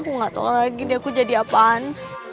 aku gak tau lagi deh aku jadi apaan